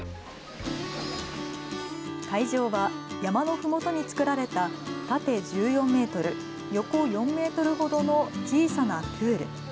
会場は山のふもとに作られた、縦１４メートル横４メートルほどの小さなプール。